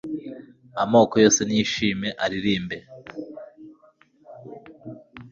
Amoko yose niyishime aririmbe